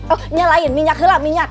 oh ini lain minyak irah minyak